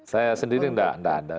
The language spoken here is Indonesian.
saya sendiri tidak ada